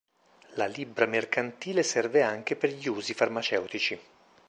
La libbra mercantile serve anche per gli usi farmaceutici.